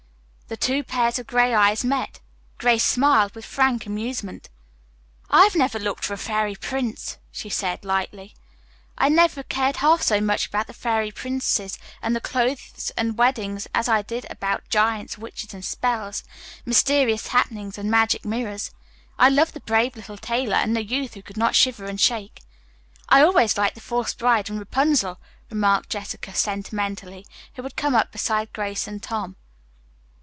The two pairs of gray eyes met. Grace smiled with frank amusement. "I have never looked for a fairy prince," she said lightly. "I never cared half so much about the fairy princes and the clothes and weddings as I did about giants, witches and spells, mysterious happenings and magic mirrors. I loved 'The Brave Little Tailor' and 'The Youth Who Could Not Shiver and Shake.'" "I always liked the 'False Bride' and 'Rapunzel,'" remarked Jessica sentimentally, who had come up beside Grace and Tom.